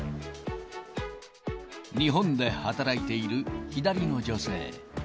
日本で働いている左の女性。